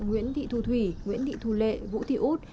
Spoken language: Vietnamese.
nguyễn thị thu thủy nguyễn thị thu lệ vũ thị út